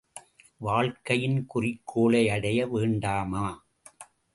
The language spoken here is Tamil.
வாழ்க்கையின் குறிக்கோளை அடைய வேண்டாமா?